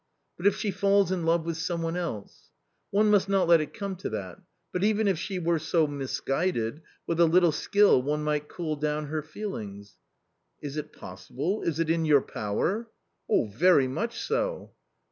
" But if she falls in love with some one else ?"" One must not let it come to that ; but even if she were so misguided, with a little skill one might cool down her feelings." " Is it possible ? is it in your power? "" Very much so."